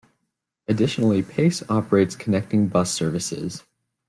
Additionally, Pace operates connecting bus services.